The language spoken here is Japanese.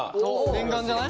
念願じゃない？